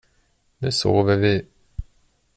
Nu sover vi.